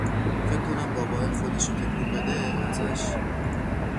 فکر کنم باباهه خودش رو تکون بده ازش